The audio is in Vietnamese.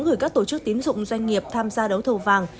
gửi các tổ chức tín dụng doanh nghiệp tham gia đấu thầu vàng